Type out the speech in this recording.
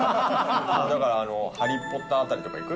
だからハリー・ポッター辺りとか行く？